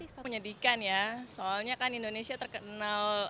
soalnya kan indonesia terkenal